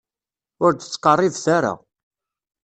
Ur d-ttqerribet ara.